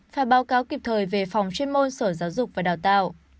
và báo cáo kịp thời về phòng chuyên môn sở giáo dục và đạo tạo